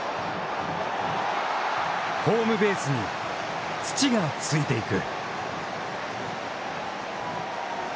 ホームベースに土がついていく。